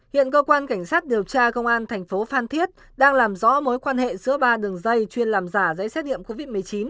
hiện cơ quan cảnh sát điều tra công an thành phố phan thiết đang làm rõ mối quan hệ giữa ba đường dây chuyên làm giả giấy xét nghiệm covid một mươi chín